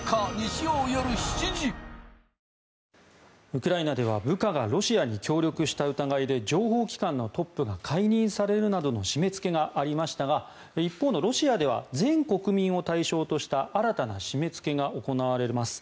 ウクライナでは部下がロシアに協力した疑いで情報機関のトップが解任されるなどの締めつけがありましたが一方のロシアでは全国民を対象とした新たな締めつけが行われます。